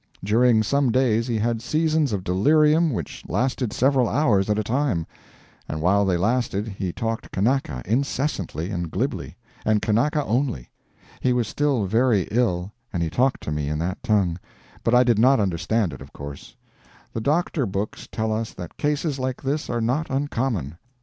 During some days he had seasons of delirium which lasted several hours at a time; and while they lasted he talked Kanaka incessantly and glibly; and Kanaka only. He was still very ill, and he talked to me in that tongue; but I did not understand it, of course. The doctor books tell us that cases like this are not uncommon.